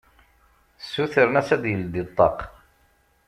Sutren-as ad yeldi ṭṭaq.